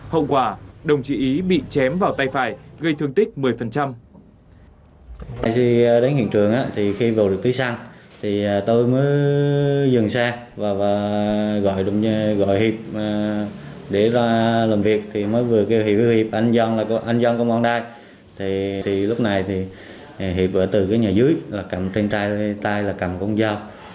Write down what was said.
hậu quả đồng chí ý bị chém vào tay phải gây thương tích một mươi